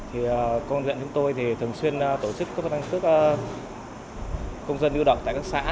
thì công viện chúng tôi thường xuyên tổ chức các phát hành thức công dân ưu động tại các xã